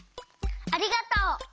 ありがとう！